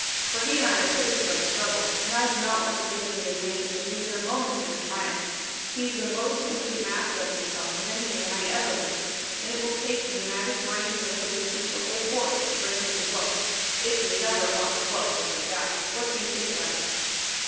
For he and I are pitted for a struggle, and I do not want to give him the advantage of even a momentary triumph. He's the most complete master of himself of any man I ever met, and it will take the united brain and resolution of the whole force to bring him to book if he ever is brought to book, which I doubt. What do you think about it?"